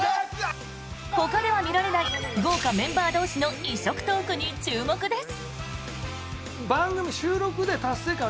ほかでは見られない豪華メンバー同士の異色トークに注目です。